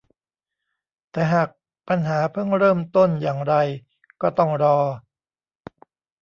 แต่หากปัญหาเพิ่งเริ่มต้นอย่างไรก็ต้องรอ